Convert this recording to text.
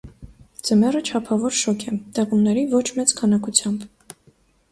Ձմեռը չափավոր շոգ է, տեղումների ոչ մեծ քանակությամբ։